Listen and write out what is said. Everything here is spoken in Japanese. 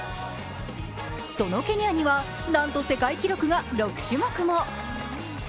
そのケニアにはなんと世界記録が６種目も。